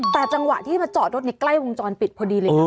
แต่จังหวะที่มาจอดรถในใกล้วงจรปิดพอดีเลยนะ